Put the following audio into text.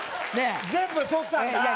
「全部取ったんだー」